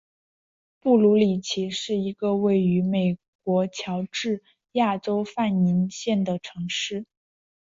布卢里奇是一个位于美国乔治亚州范宁县的城市。